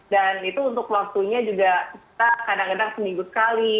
dan itu untuk waktunya juga kita kadang kadang seminggu sekali